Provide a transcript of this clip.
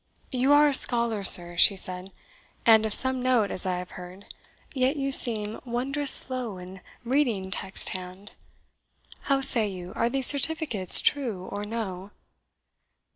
"You are a scholar, sir," she said, "and of some note, as I have heard; yet you seem wondrous slow in reading text hand. How say you, are these certificates true or no?"